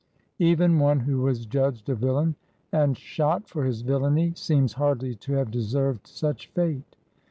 Even one who was judged a villain and shot for his viUainy seems hardly to have deserved such fate.